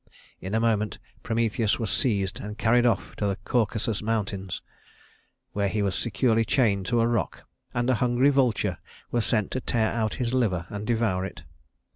In a moment Prometheus was seized and carried off to the Caucasus Mountains, where he was securely chained to a rock, and a hungry vulture was sent to tear out his liver and devour it.